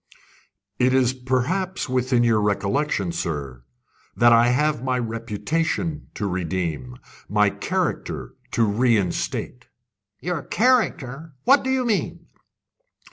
"It is perhaps within your recollection, sir, that I have my reputation to redeem, my character to reinstate." "Your character? What do you mean?"